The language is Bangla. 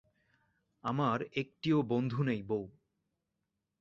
আমার একটিও বন্ধু নেই বৌ।